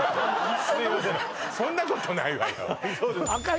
そんなことないわよ